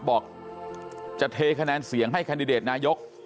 บอกจะเทคะแนนเสียงให้แคนดิเดตนายก